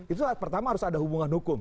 itu pertama harus ada hubungan hukum